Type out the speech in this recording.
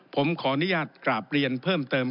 ผมขออนุญาตกราบเรียนเพิ่มเติม